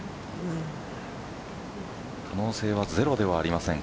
可能性はゼロではありません。